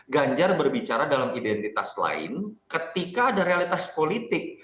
ganjar berbicara dalam identitas lain ketika ada realitas politik